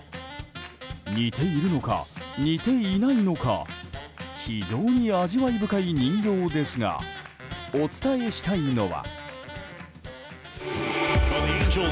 似ているのか、似ていないのか非常に味わい深い人形ですがお伝えしたいのは。